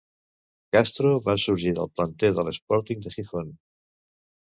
Castro va sorgir del planter de l'Sporting de Gijón.